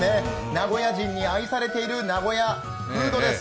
名古屋人に愛されている名古屋フードです。